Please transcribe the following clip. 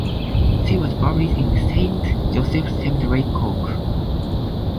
She was buried in Saint Joseph's Cemetery, Cork.